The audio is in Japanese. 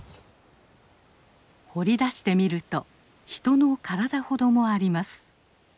掘り出してみると人の体ほどもあります。